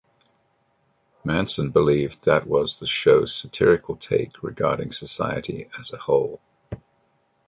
Manson believed that was the show's satirical take regarding society as a whole.